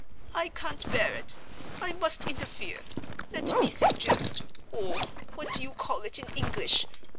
"I can't bear it! I must interfere! Let me suggest—oh, what do you call it in English?